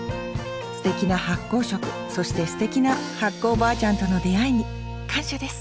すてきな発酵食そしてすてきな発酵おばあちゃんとの出会いに感謝です